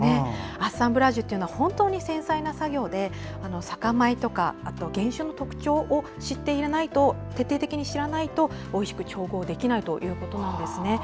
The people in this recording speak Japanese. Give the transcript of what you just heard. アッサンブラージュというのは本当に繊細な作業で酒米や原酒の特徴を徹底的に知っていないとおいしく調合できないということなんですね。